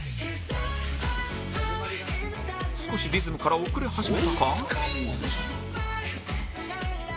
少しリズムから遅れ始めたか？